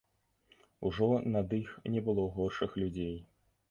Ужо над іх не было горшых людзей.